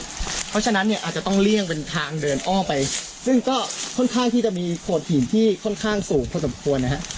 เพราะฉะนั้นเนี่ยอาจจะต้องเลี่ยงเป็นทางเดินอ้อมไปซึ่งก็ค่อนข้างที่จะมีโขดหินที่ค่อนข้างสูงพอสมควรนะฮะ